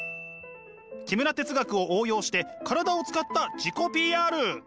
木村哲学を応用して体を使った自己ＰＲ！